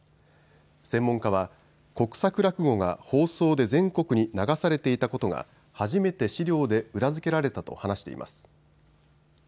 専門家は国策落語が放送で全国に流されていたことが初めて資料で裏付けられたと話しています。